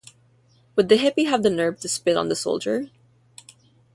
Would the hippie have the nerve to spit on the soldier?